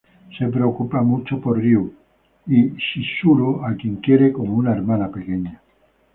Se preocupa mucho por Ryū y Chizuru a quien quiere como una hermana pequeña.